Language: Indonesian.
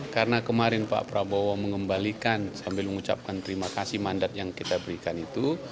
karena kemarin pak prabowo mengembalikan sambil mengucapkan terima kasih mandat yang kita berikan itu